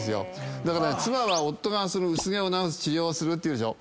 だから妻は夫が薄毛を治す治療をするっていうでしょ。